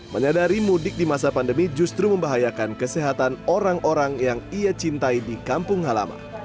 menyadari mudik di masa pandemi justru membahayakan kesehatan orang orang yang ia cintai di kampung halaman